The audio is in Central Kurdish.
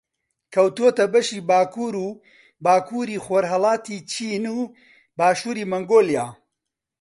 کەوتووەتە بەشی باکوور و باکووری خۆڕھەڵاتی چین و باشووری مەنگۆلیا